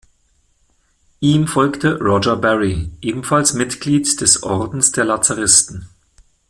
Ihm folgte Roger Barry, ebenfalls Mitglied des Ordens der Lazaristen.